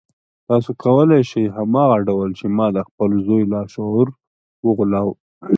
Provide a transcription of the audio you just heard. تاسې کولای شئ هماغه ډول چې ما د خپل زوی لاشعور وغولاوه.